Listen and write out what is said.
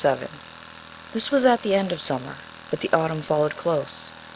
~VII~ This was at the end of summer, but the autumn followed close.